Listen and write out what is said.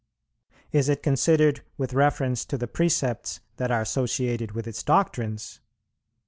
Is it considered with reference to the precepts that are associated with its doctrines?